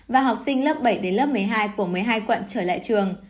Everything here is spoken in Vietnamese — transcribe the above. và học sinh lớp bảy một mươi hai của một mươi hai quận trở lại trường